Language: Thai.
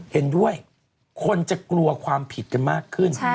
เห็นด้วยคนจะกลัวความผิดกันมากขึ้น